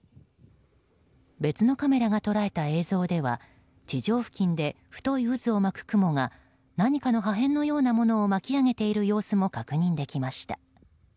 別のカメラが捉えた映像では地上付近で太い渦を巻く雲が何かの破片のようなものを巻き上げている様子も確認できました。